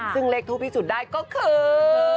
ซึ่งเลขทูปพิสูจน์ได้ก็คือ